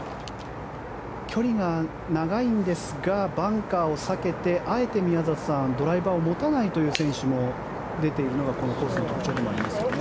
距離が長いんですがバンカーを避けてあえて宮里さんドライバーを持たないという選手も出ているというのがこのコースの特徴でもありますね。